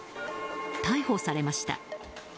逮捕されました。